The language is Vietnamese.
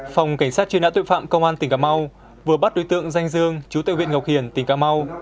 phòng cảnh sát truy nã tội phạm công an tỉnh cà mau vừa bắt đối tượng danh dương chú tệ huyện ngọc hiển tỉnh cà mau